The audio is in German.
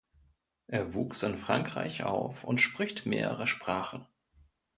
Er wuchs in Frankreich auf und spricht mehrere Sprachen.